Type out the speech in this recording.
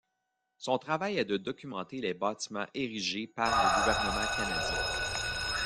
Son travail est de documenter les bâtiments érigés par le gouvernement canadien.